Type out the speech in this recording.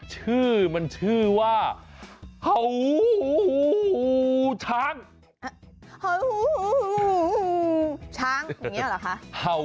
ชื่อมันชื่อว่า